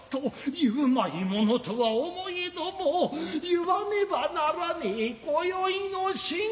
言うまいものとは思えども言わねばならねえ今宵の仕儀。